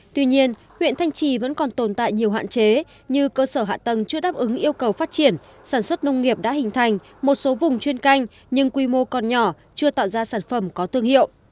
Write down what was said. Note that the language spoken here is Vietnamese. tuy nhiên huyện thanh trì vẫn còn tồn tại nhiều hạn chế như cơ sở hạ tầng chưa đáp ứng yêu cầu phát triển sản xuất nông nghiệp đã hình thành một số vùng chuyên canh nhưng quy mô còn nhỏ chưa tạo ra sản phẩm có thương hiệu